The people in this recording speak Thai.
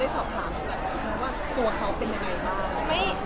แล้วเราสอบคำกับแบบผมว่าหัวเขาเป็นยังไงบ้าง